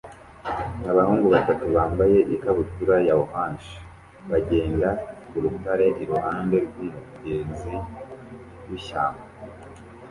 Abahungu batatu bambaye ikabutura ya orange bagenda ku rutare iruhande rw'umugezi w'ishyamba